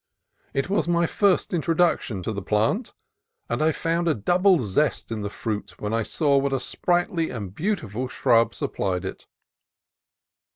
It was my first introduction to the plant, and I found a double zest in the fruit when I saw what a sprightly and beautiful shrub supplied it.